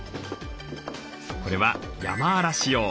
これはヤマアラシ用。